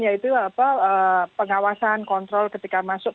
yaitu pengawasan kontrol ketika masuk